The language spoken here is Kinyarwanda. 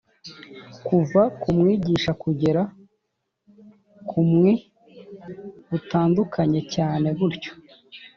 kuva ku mwigisha kugera ku mwi butandukanye cyane gutyo